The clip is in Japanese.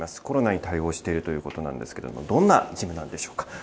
コロナに対応しているということなんですけれども、どんなジムなんでしょうか。